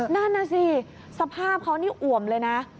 นั่นน่ะสิสภาพเขานี่อ่วมเลยนะ